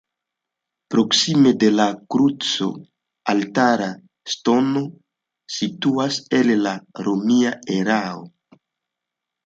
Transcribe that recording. Proksime de la kruco altara ŝtono situas el la romia erao.